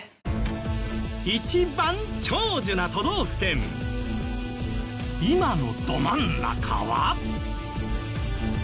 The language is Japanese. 一番長寿な都道府県今のど真ん中は。